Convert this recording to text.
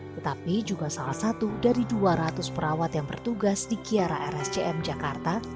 tetapi juga salah satu dari dua ratus perawat yang bertugas di kiara rscm jakarta